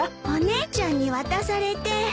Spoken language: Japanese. お姉ちゃんに渡されて。